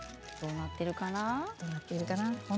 どうなっているかな？